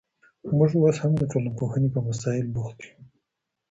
موږ اوس هم د ټولنپوهني په مسائل بوخت یو.